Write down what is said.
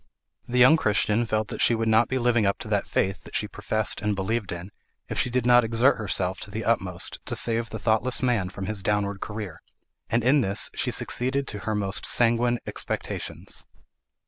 The young Christian felt that she would not be living up to that faith that she professed and believed in, if she did not exert herself to the utmost to save the thoughtless man from his downward career; and in this she succeeded to her most sanguine expectations.